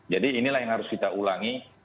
jadi inilah yang harus kita ulangi